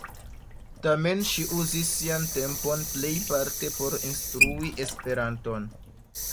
Tamen, ŝi uzis sian tempon plejparte por instrui Esperanton.